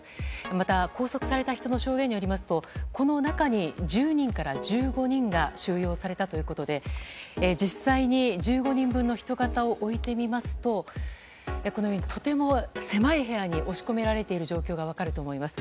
また、拘束された人の証言によりますとこの中に１０人から１５人が収容されたということで実際に１５人分のひとがたを置いてみますとこのように、とても狭い部屋に押し込められている状況が分かると思います。